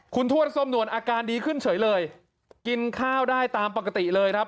คุณทวดส้มหนวลอาการดีขึ้นเฉยเลยกินข้าวได้ตามปกติเลยครับ